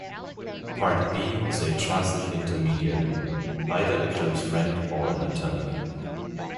Party B is a trusted intermediary, either a close friend or an attorney.